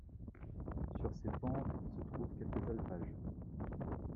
Sur ses pentes, se trouvent quelques alpages.